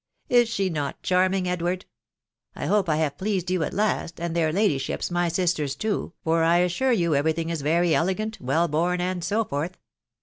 ( Is she not charming, Edward ? I hope I have pleased you at last, and their ladyships, my sisters, too •, fat\«8iso3& ^^ «sr^ thing is very elegant, well born, and so totfo. .